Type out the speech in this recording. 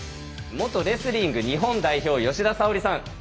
元レスリング日本代表吉田沙保里さん。